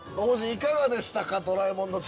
◆いかがでした？